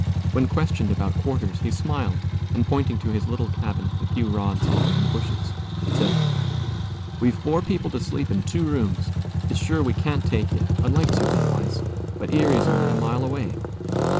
When questioned about quarters, he smiled and pointing to his little cabin, a few rods off in the bushes, said, "We've four people to sleep in two rooms; it's sure we can't take ye; I'd like to, otherwise. But Erie's only a mile away."